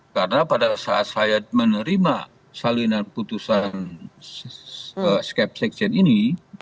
karena pada saat saya menerima salinan keputusan scep sekjen ini